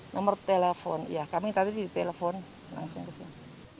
nomor telepon ya kami tadi di telepon langsung ke sini